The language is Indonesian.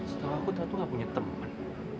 setahu aku taatu gak punya temen